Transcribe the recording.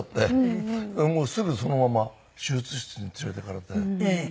もうすぐそのまま手術室に連れていかれて。